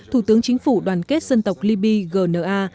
thủ tướng chính phủ đoàn kết dân tộc liby gna